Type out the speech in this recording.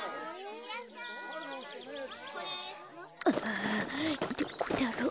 あどこだろう。